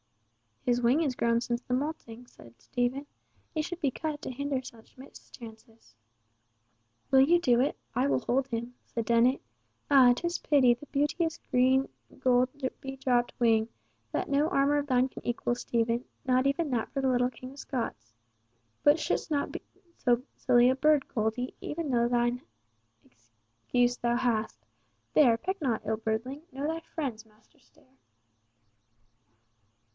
"His wing is grown since the moulting," said Stephen. "It should be cut to hinder such mischances." "Will you do it? I will hold him," said Dennet. "Ah! 'tis pity, the beauteous green gold bedropped wing—that no armour of thine can equal, Stephen, not even that for the little King of Scots. But shouldst not be so silly a bird, Goldie, even though thou hast thine excuse. There! Peck not, ill birdling. Know thy friends, Master Stare."